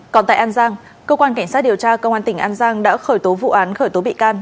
còn tại an giang cơ quan cảnh sát điều tra công an tỉnh an giang đã khởi tố vụ án khởi tố bị can